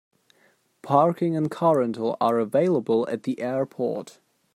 Parking and car rental are available at the airport.